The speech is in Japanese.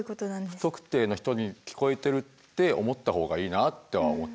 不特定の人に聞こえてるって思った方がいいなとは思ってるよね。